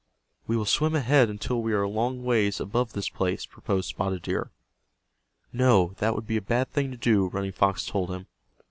"We will swim ahead until we are a long ways above this place," proposed Spotted Deer. "No, that would be a bad thing to do," Running Fox told him.